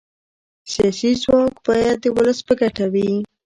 سیاسي ځواک باید د ولس په ګټه وي